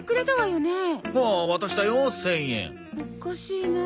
おかしいなあ。